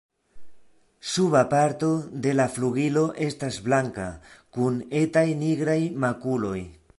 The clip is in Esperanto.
Suba parto de la flugilo estas blanka, kun etaj nigraj makuloj.